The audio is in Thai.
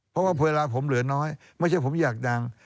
เพราะว่าเวลาผมเหลือน้อยไม่ใช่ผมอยากดัง